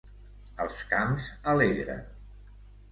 Els camps alegren.